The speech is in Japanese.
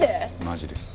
マジです。